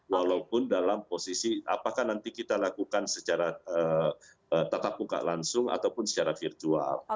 walaupun dalam posisi apakah nanti kita lakukan secara tatap muka langsung ataupun secara virtual